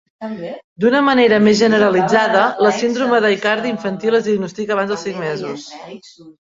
D'una manera més generalitzada, la síndrome d'Aicardi infantil es diagnostica abans dels cinc mesos.